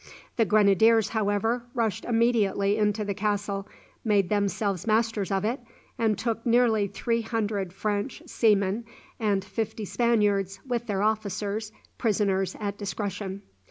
The grenadiers, however, rushed immediately into the castle, made themselves masters of it, and took nearly three hundred French seamen and fifty Spaniards, with their officers, prisoners at discretion.